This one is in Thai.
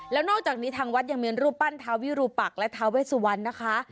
แล้วนอกจากนี้ทางวัดยังมีรูปปั้นทาวิรูปักษ์และทาเวสุวรรณนะคะ